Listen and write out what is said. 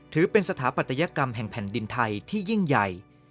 ถือเป็นสถาปัตยกรรมแห่งแผ่นดินไทยที่ยิ่งใหญ่